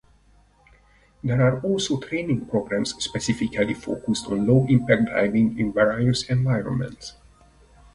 There are also training programmes specifically focused on low impact diving in various environments.